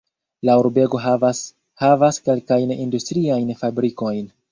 La urbego havas havas kelkajn industriajn fabrikojn.